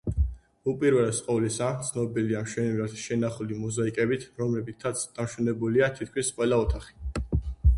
უპირველეს ყოვლისა, ცნობილია მშვენივრად შენახული მოზაიკებით, რომლებითაც დამშვენებულია თითქმის ყველა ოთახი.